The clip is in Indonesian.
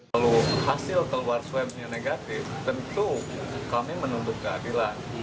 kalau hasil keluar swabnya negatif tentu kami menuntut keadilan